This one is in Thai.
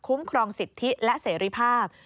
ครองสิทธิและเสรีภาพ